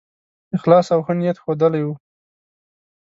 اخلاص او ښه نیت ښودلی وو.